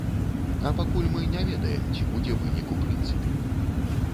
А пакуль мы не ведаем, ці будзе вынік у прынцыпе.